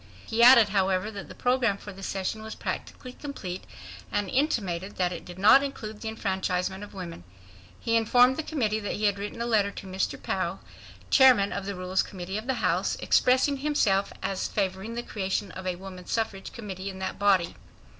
He added, however, that the program for the session was practically complete and intimated that it did not include the enfranchisement of women. He informed the Committee that he had written a letter to Mr. Pou, Chairman of the Rules Committee of the House, expressing himself as favoring the creation of a Woman Suffrage Committee in that body.